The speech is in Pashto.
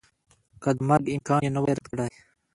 که د مرګ امکان یې نه وای رد کړی